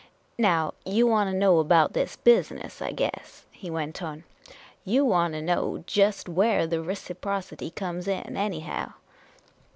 " Now you want to know about this business, I guess," he went on. " You want to know jest where the reciprocity comes in, anyhow